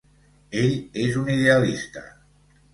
Ell és un idealista.